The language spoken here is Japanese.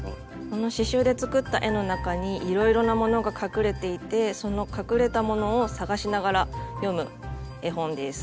この刺しゅうで作った絵の中にいろいろなものが隠れていてその隠れたものを探しながら読む絵本です。